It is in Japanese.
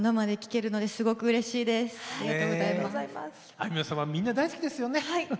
あいみょんさんはみんな大好きですよね。